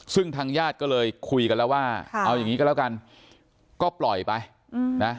ซึ่งทางญาติก็เลยคุยกันแล้วว่าเอาอย่างนี้ก็แล้วกันก็ปล่อยไปนะ